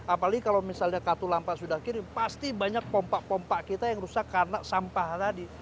apalagi kalau misalnya katulampa sudah kirim pasti banyak pompa pompa kita yang rusak karena sampah tadi